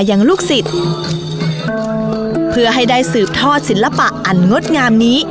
ยังลูกศิษย์เพื่อให้ได้สืบทอดศิลปะอันงดงามนี้